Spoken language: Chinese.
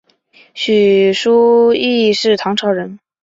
许叔冀是唐朝人。